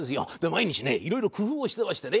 毎日ねいろいろ工夫をしてましてね。